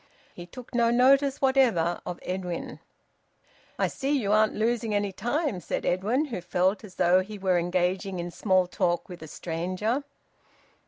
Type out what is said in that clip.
He took no notice whatever of Edwin. "I see you aren't losing any time," said Edwin, who felt as though he were engaging in small talk with a stranger.